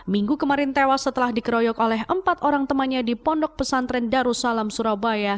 minggu kemarin tewas setelah dikeroyok oleh empat orang temannya di pondok pesantren darussalam surabaya